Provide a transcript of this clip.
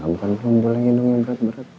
kamu kan belum boleh nginong yang berat berat